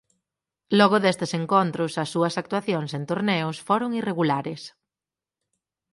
Logo destes encontros as súas actuacións en torneos foron irregulares.